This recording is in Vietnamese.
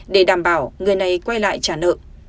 để đảm bảo người này quay lại trả nợ